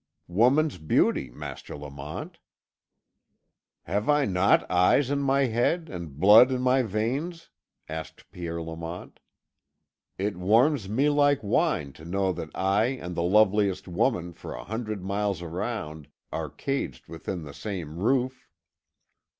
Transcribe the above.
"Woman's beauty, Master Lamont." "Have I not eyes in my head and blood in my veins?" asked Pierre Lamont. "It warms me like wine to know that I and the loveliest woman for a hundred miles round are caged within the same roof."